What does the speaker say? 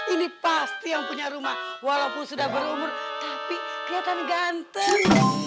ini pasti yang punya rumah walaupun sudah berumur tapi kelihatan ganteng